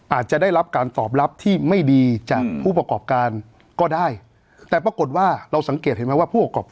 อาจจะได้รับการตอบรับที่ไม่ดีจากผู้ประกอบการก็ได้แต่ปรากฏว่าเราสังเกตเห็นไหมว่าผู้ประกอบ